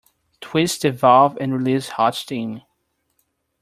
Twist the valve and release hot steam.